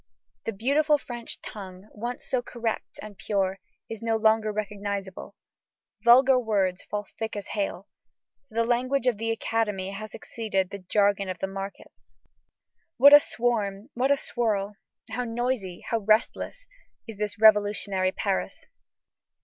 The beautiful French tongue, once so correct and pure, is no longer recognizable. Vulgar words fall thick as hail. To the language of the Academy has succeeded the jargon of the markets. What a swarm! what a swirl! How noisy, how restless, is this revolutionary Paris!